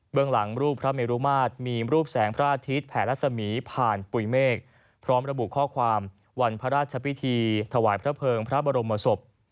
หลังรูปพระเมรุมาตรมีรูปแสงพระอาทิตย์แผ่รัศมีผ่านปุ๋ยเมฆพร้อมระบุข้อความวันพระราชพิธีถวายพระเภิงพระบรมศพ